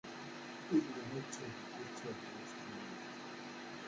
Iḍelli ay d-ttwabeddlent tlemlaf.